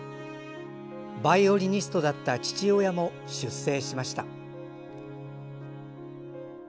バイオリニストだった父親も出征しました。